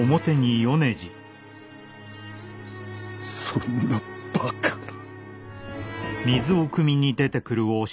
そんなばかな。